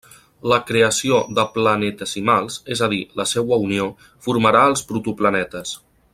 L'acreció de planetesimals, és a dir, la seua unió, formarà els protoplanetes.